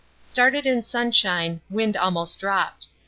Started in sunshine, wind almost dropped.